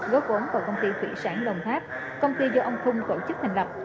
góp vốn vào công ty thủy sản đồng tháp công ty do ông thung tổ chức thành lập